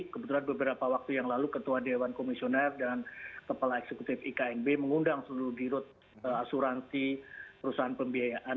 kebetulan beberapa waktu yang lalu ketua dewan komisioner dan kepala eksekutif iknb mengundang seluruh dirut asuransi perusahaan pembiayaan